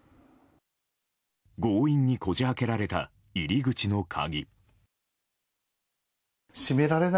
強引にこじ開けられた入り口の鍵。